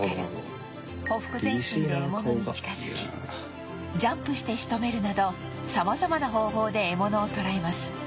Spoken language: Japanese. ほふく前進で獲物に近づきジャンプして仕留めるなど様々な方法で獲物を捕らえます